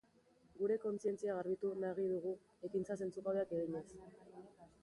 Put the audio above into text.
Gure kontzientzia garbitu nagi dugu ekintza zentzugabeak eginez.